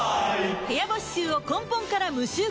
部屋干し臭を根本から無臭化